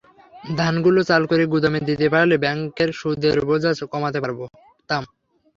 ধানগুলো চাল করে গুদামে দিতে পারলে ব্যাংকের সুদের বোঝা কমাতে পারতাম।